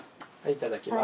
いただきます。